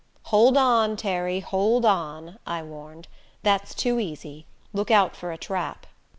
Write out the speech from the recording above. "Hold on, Terry hold on!" I warned. "That's too easy. Look out for a trap."